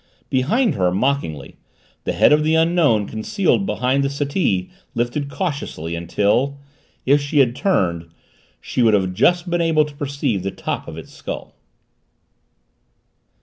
Behind her, mockingly, the head of the Unknown concealed behind the settee lifted cautiously until, if she had turned, she would have just been able to perceive the top of its skull.